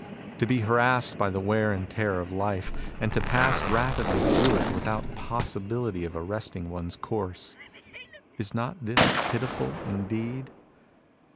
To be harassed by the wear and tear of life, and to pass rapidly through it without possibility of arresting one's course, — is not this pitiful indeed